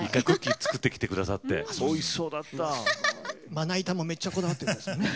まな板もめっちゃこだわってるんですよね。